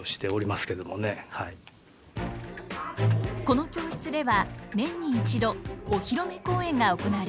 この教室では年に一度お披露目公演が行われます。